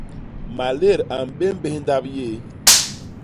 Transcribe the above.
Malét a mbémbés ndap yéé.